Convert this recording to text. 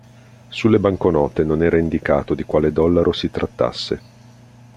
Sulle banconote non era indicato di quale dollaro di trattasse.